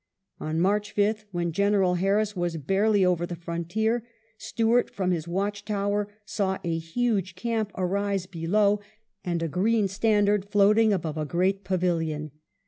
On March 5th, when General Harris was barely over the frontier, Stuart from his watch tower saw a huge camp arise below and a green standard floating above a great pavilion.